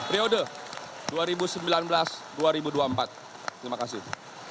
periode dua ribu sembilan belas dua ribu dua puluh empat terima kasih